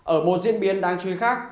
ở một diễn biến đáng chú ý khác